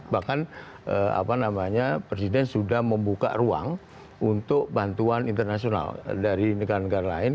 bahkan presiden sudah membuka ruang untuk bantuan internasional dari negara negara lain